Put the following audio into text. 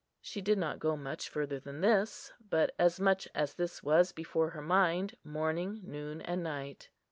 She did not go much further than this; but as much as this was before her mind morning, noon, and night.